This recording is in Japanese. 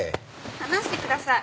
離してください！